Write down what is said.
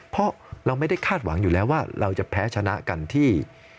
เพราะเราไม่ได้คาดหวังอยู่แล้วว่าเราจะแพ้ชนะกันที่